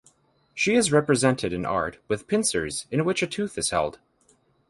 She is represented in art with pincers in which a tooth is held.